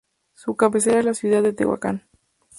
Su cabecera es la ciudad de Tehuacán.